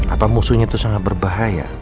apa musuhnya itu sangat berbahaya